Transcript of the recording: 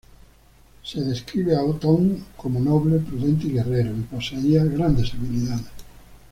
Se describe a Otón como noble, prudente y guerrero, y poseía grandes habilidades.